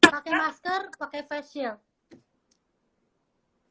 pakai masker pakai face shield